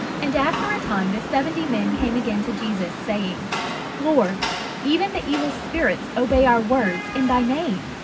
And after a time the seventy men came again to Jesus, saying: "Lord, even the evil spirits obey our words in thy name!"